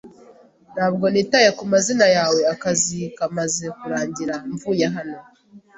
Ntabwo nitaye ku mazina yawe. Akazi kamaze kurangira, mvuye hano.